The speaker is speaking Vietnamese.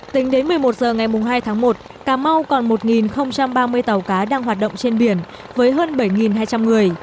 tính đến một mươi một h ngày hai tháng một cà mau còn một ba mươi tàu cá đang hoạt động trên biển với hơn bảy hai trăm linh người